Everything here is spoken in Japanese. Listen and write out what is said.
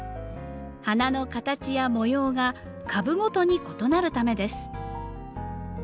花の形や模様が株ごとに異なるためです。